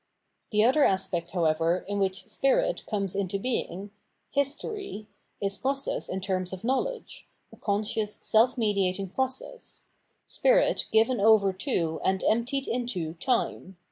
The other aspect, however, in which Spirit comes into being. History, is process in terms of knowledge, a con scious self mediating process — Spirit given over to and emptied into Time.